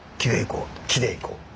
木でいこう。